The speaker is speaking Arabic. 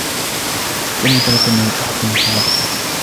لم يتمكن من التحكم في غضبه